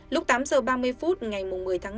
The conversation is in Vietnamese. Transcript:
lúc tám h ba mươi phút ngày một mươi tháng năm